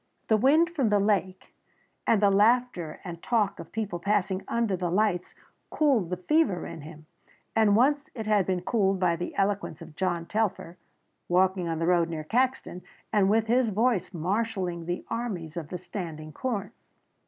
The wind from the lake and the laughter and talk of people passing under the lights cooled the fever in him, as once it had been cooled by the eloquence of John Telfer, walking on the road near Caxton, and with his voice marshalling the armies of the standing corn.